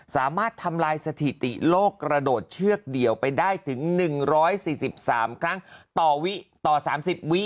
สามารถทำลายสถิติโลกกระโดดเชือกเดี่ยวไปได้ถึง๑๔๓ครั้งต่อวิต่อ๓๐วิ